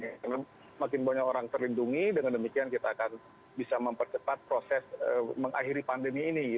karena makin banyak orang terlindungi dengan demikian kita akan bisa mempercepat proses mengakhiri pandemi ini